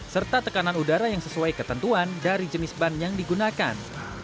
serta tekanan udara yang sesuai ketentuan dari jenis ban yang digunakan